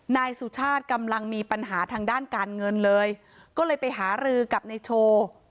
นายสุชาติกำลังมีปัญหาทางด้านการเงินเลยก็เลยไปหารือกับนายโชว์